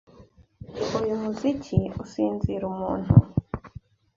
Uyu muziki usinzira umuntu.